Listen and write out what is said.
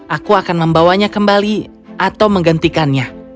aku akan membawanya kembali atau menggantikannya